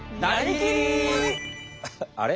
あれ？